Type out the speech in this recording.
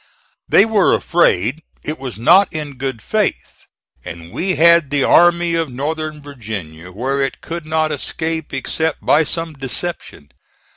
They were afraid it was not in good faith, and we had the Army of Northern Virginia where it could not escape except by some deception.